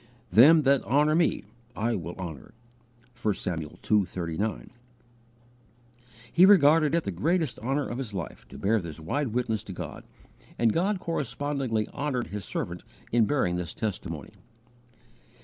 "Them that honour Me I will honour." (1 Samuel ii. 39.) He regarded it the greatest honour of his life to bear this wide witness to God, and God correspondingly honoured His servant in bearing this testimony.